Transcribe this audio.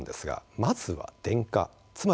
まずは電化。